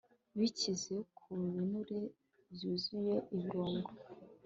bikize ku binure byuzuye ibirungo